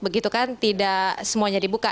begitu kan tidak semuanya dibuka